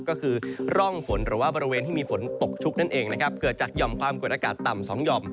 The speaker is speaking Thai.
ก็คือร่องฝนหรือว่าบรรเวณที่มีฝนตกชุกเกิดจากยอมความอาจารย์ศาสตร์ต่ำสองยอม